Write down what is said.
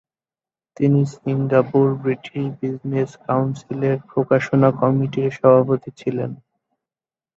তিনি Singapore British business কাউন্সিলের প্রকাশনা কমিটির সভাপতি ছিলেন।